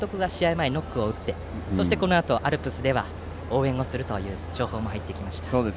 前ノックを打ってそしてこのあとアルプスでは応援もするという情報が入ってきました。